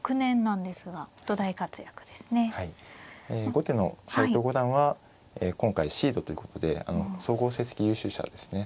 後手の斎藤五段は今回シードということで総合成績優秀者ですね。